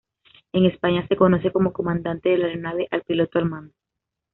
En España se conoce como comandante de la aeronave al piloto al mando.